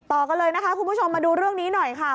ต่อกันเลยนะคะคุณผู้ชมมาดูเรื่องนี้หน่อยค่ะ